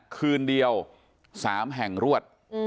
คืนเดียว๓แห่งรวด